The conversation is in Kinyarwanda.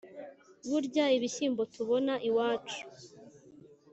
burya ibishyimbo tubona iwacu